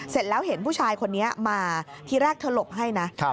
เสร็จแล้วเห็นผู้ชายคนนี้มาทีแรกเธอหลบให้นะ